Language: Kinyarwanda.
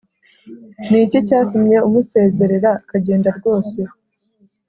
Ni iki cyatumye umusezerera akagenda rwose